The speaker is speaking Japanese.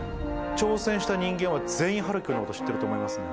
挑戦した人間は全員陽生君のこと知っていると思いますね。